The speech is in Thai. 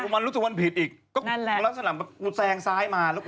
ไม่ทำ